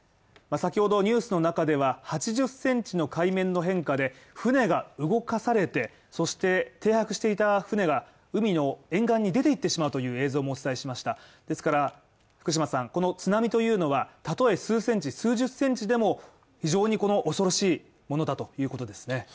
先ほどニュースの中では８０センチの海面の変化で船が動かされて、そして、停泊していた船が海の沿岸に出ていってしまうという映像もお伝えしましたですから、この津波というのは、例え数１０センチでも非常にこの恐ろしいものだということですね。